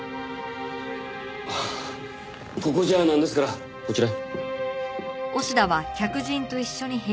あっここじゃなんですからこちらへ。